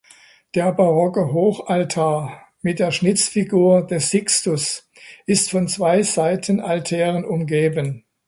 Der barocke Hochaltar mit der Schnitzfigur des Sixtus ist von zwei Seitenaltären umgeben.